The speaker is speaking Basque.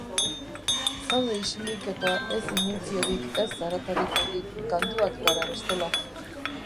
Zaude isilik eta ez imintziorik ez zaratarik egin, galduak gara bestela!